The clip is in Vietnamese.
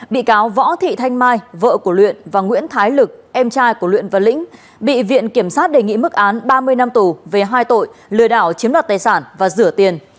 bị cáo võ thị thanh mai vợ của luyện và nguyễn thái lực em trai của luyện và lĩnh bị viện kiểm sát đề nghị mức án ba mươi năm tù về hai tội lừa đảo chiếm đoạt tài sản và rửa tiền